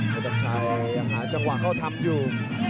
เพชรน้ำชัยหาจังหวะเข้าทำอยู่